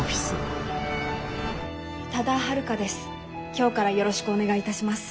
今日からよろしくお願いいたします。